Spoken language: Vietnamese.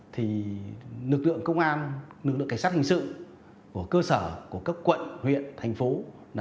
thì lực lượng công an lực lượng cảnh sát hình sự của cơ sở của các quận huyện thành phố